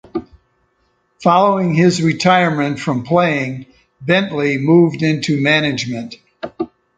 Following his retirement from playing, Bentley moved into management.